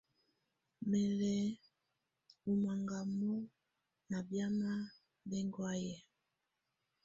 Mè lɛ̀ ɔ́ mangamɔ ná biamɛ̀á bɛ̀nhɔ̀áyɛ̀.